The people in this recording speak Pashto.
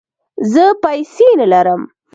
زه پیسې نه لرم